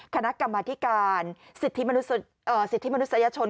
คณะกรรมธิการสิทธิมนุษยชน